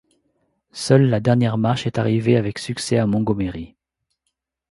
Seule la dernière marche est arrivée avec succès à Montgomery.